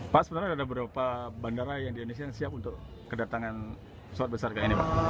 pak sebenarnya ada berapa bandara yang di indonesia yang siap untuk kedatangan pesawat besar kayak ini pak